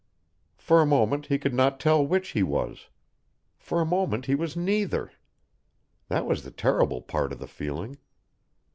For a moment he could not tell which he was. For a moment he was neither. That was the terrible part of the feeling.